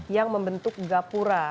yang membentuk gapura